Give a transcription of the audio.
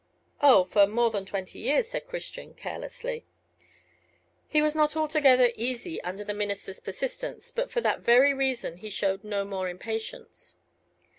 "Oh, for more than twenty years," said Christian, carelessly. He was not altogether easy under the minister's persistence, but for that very reason he showed no more impatience.